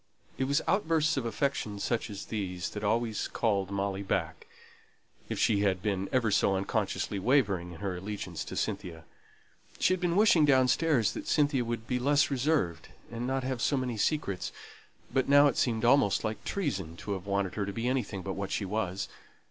It was outbursts of affection such as these that always called Molly back, if she had been ever so unconsciously wavering in her allegiance to Cynthia. She had been wishing downstairs that Cynthia would be less reserved, and not have so many secrets; but now it seemed almost like treason to have wanted her to be anything but what she was.